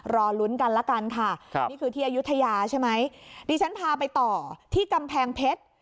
รอลุ้นกันละกันค่ะนี่คือที่อายุทยาใช่ไหมดิฉันพาไปต่อที่กำแพงเพชร